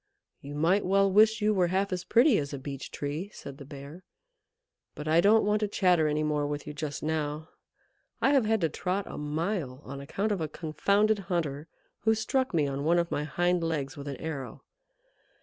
"You might well wish you were half as pretty as a Beech Tree," said the Bear. "But I don't want to chatter any more with you just now. I have had to trot a mile on account of a confounded hunter who struck me on one of my hind legs with an arrow.